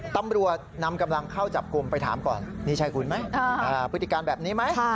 ตำรวจนำกำลังเข้าจับกลุ่มไปถามก่อนนี่ใช่คุณไหมพฤติการแบบนี้ไหม